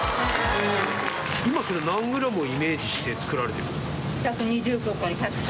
今それ何グラムをイメージして作られてるんですか？